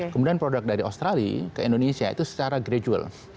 kemudian produk dari australia ke indonesia itu secara gradual